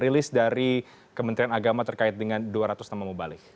rilis dari kementerian agama terkait dengan dua ratus nama mubalik